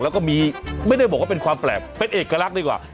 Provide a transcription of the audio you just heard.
แล้วก็มีไม่ได้บอกว่าเป็นความแปลกเป็นเอกลักษณ์ดีกว่า